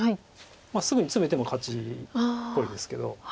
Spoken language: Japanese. すぐにツメても勝ちっぽいですけど。